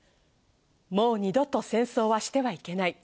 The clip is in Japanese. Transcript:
もう二度と戦争はしてはいけない。